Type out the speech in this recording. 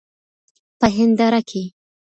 په هینداره کي